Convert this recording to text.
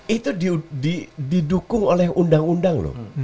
itu didukung oleh undang undang loh